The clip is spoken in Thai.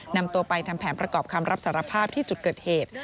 นำตัวไปทำแผนประกอบคำรับสารภาพที่จุดเกิดเหตุ